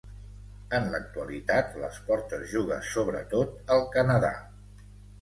En l'actualitat l'esport es juga sobretot al Canadà.